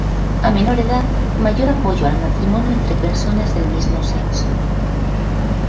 A menor edad, mayor apoyo al matrimonio entre personas del mismo sexo.